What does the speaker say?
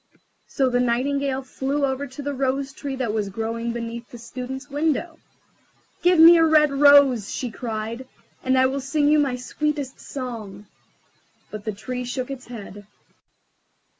So the Nightingale flew over to the Rose tree that was growing beneath the Student's window. "Give me a red rose," she cried, "and I will sing you my sweetest song." But the Tree shook its head.